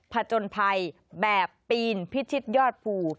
จนภัยแบบปีนพิชิตยอดภู